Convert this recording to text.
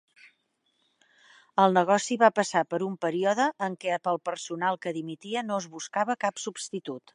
El negoci va passar per un període en què pel personal que dimitia no es buscava cap substitut.